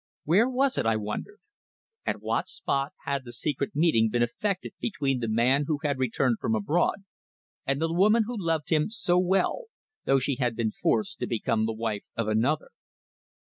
Where was it, I wondered? At what spot had the secret meeting been effected between the man who had returned from abroad and the woman who loved him so well, though she had been forced to become the wife of another.